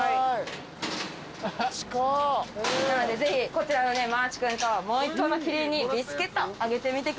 ぜひこちらのマーチ君ともう１頭のキリンにビスケットあげてみてください。